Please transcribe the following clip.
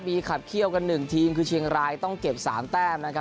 มีขับเขี้ยวกัน๑ทีมคือเชียงรายต้องเก็บ๓แต้มนะครับ